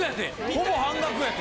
ほぼ半額やって。